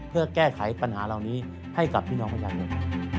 เพื่อแก้ไขปัญหาเหล่านี้ให้กับพี่น้องประชาชน